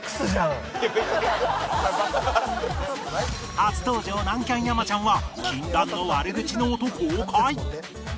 初登場南キャン山ちゃんは禁断の悪口ノート公開